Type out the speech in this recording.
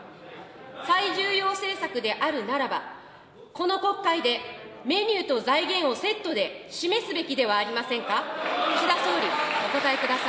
最重要政策であるならば、この国会でメニューと財源をセットで示すべきではありませんか。